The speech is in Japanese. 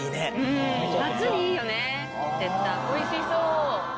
おいしそう！